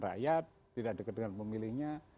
rakyat tidak dekat dengan pemilihnya